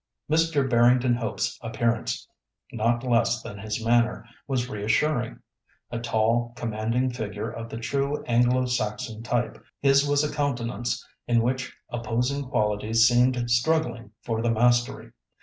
Mr. Barrington Hope's appearance, not less than his manner, was reassuring. A tall, commanding figure of the true Anglo Saxon type, his was a countenance in which opposing qualities seemed struggling for the mastery.